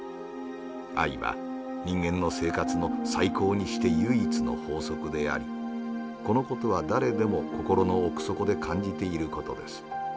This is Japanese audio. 愛は人間の生活の最高にして唯一の法則でありこの事は誰でも心の奥底で感じている事です。